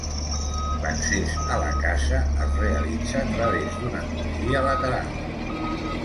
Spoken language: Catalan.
L'accés a la casa es realitza a través d'una crugia lateral.